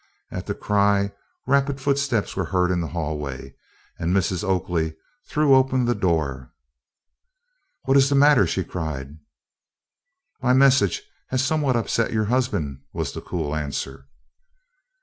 At the cry rapid footsteps were heard in the hallway, and Mrs. Oakley threw open the door. "What is the matter?" she cried. "My message has somewhat upset your husband," was the cool answer.